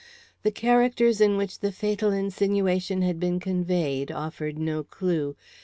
The characters in which the fatal insinuations had been conveyed offered no clue.